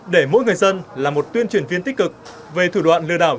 để mỗi người dân là một tuyên truyền viên tích cực về thủ đoạn lừa đảo